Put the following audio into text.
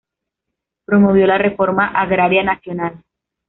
Promovió la Reforma Agraria nacional.